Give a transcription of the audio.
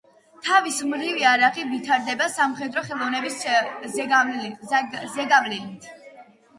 თავის მხრივ იარაღი ვითარდება სამხედრო ხელოვნების ზეგავლენით.